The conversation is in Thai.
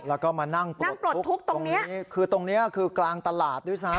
แล้วก็มานั่งปลดทุกข์ตรงนี้คือตรงเนี้ยคือกลางตลาดด้วยซ้ำ